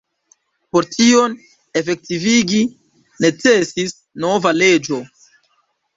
Por tion efektivigi necesis nova leĝo.